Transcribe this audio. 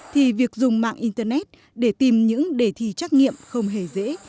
thì việc dùng mạng internet để tìm những đề thi trắc nghiệm không hề dễ